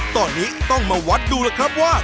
ตอนนี้ต้องมาวัดดูแล้วครับว่า